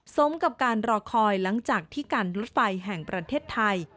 สมกับการรอคอยหลังจากที่การรถไฟแห่งประเทศไทย